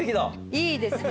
いいですね